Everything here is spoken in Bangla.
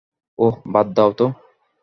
ওহ, বাদ দাও তো।